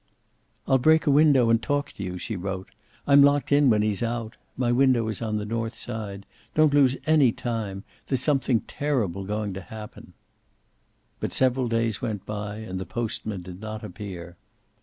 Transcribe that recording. "I'll break a window and talk to you," she wrote. "I'm locked in when he's out. My window is on the north side. Don't lose any time. There's something terrible going to happen." But several days went by and the postman did not appear.